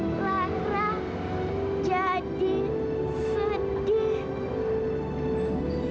lara jadi sedih